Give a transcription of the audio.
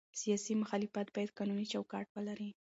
سیاسي مخالفت باید قانوني چوکاټ ولري